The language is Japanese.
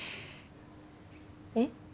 えっ？